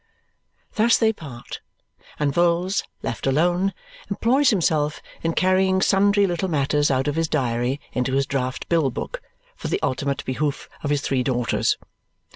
Thus they part, and Vholes, left alone, employs himself in carrying sundry little matters out of his diary into his draft bill book for the ultimate behoof of his three daughters.